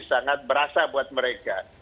sangat berasa buat mereka